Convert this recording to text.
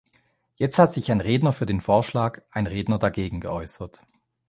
Jetzt hat sich ein Redner für den Vorschlag, ein Redner dagegen geäußert.